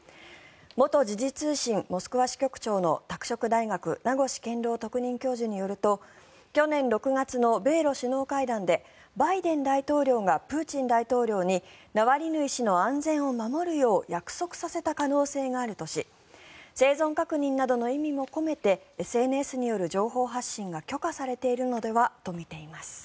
元時事通信モスクワ支局長の拓殖大学名越健郎特任教授によると去年６月の米ロ首脳会談でバイデン大統領がプーチン大統領にナワリヌイ氏の安全を守るよう約束させた可能性があるとし生存確認などの意味も込めてＳＮＳによる情報発信が許可されているのではとみています。